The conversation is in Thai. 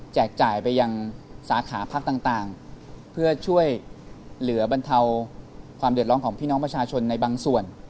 จ่ายไปยังสาขาพักต่างเพื่อช่วยเหลือบรรเทาความเดือดร้อนของพี่น้องประชาชนในบางส่วน